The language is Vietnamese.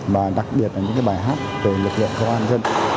và đặc biệt là những bài hát về lực lượng công an nhân